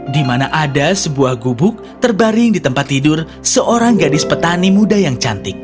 di mana ada sebuah gubuk terbaring di tempat tidur seorang gadis petani muda yang cantik